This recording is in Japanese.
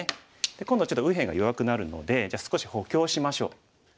今度ちょっと右辺が弱くなるので少し補強しましょう。